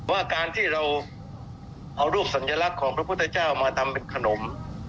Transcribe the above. ว่าการที่เราเอารูปสัญลักษณ์ของพระพุทธเจ้ามาทำเป็นขนม